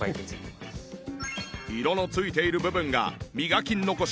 色のついている部分が磨き残し